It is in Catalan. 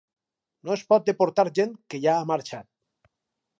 No es pot deportar gent que ja ha marxat.